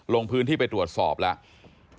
ลงพื้นที่ไปตรวจสอบแล้ว